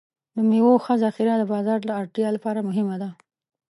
د میوو ښه ذخیره د بازار د اړتیا لپاره مهمه ده.